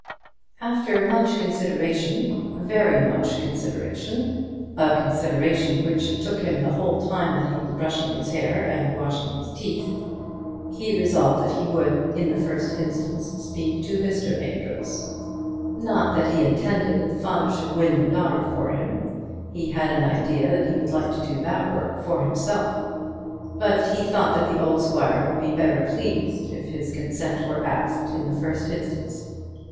After much consideration, very much consideration, a consideration which took him the whole time that he was brushing his hair and washing his teeth, he resolved that he would, in the first instance, speak to Mr. Amedroz. Not that he intended that the father should win the daughter for him. He had an idea that he would like to do that work for himself. But he thought that the old squire would be better pleased if his consent were asked in the first instance.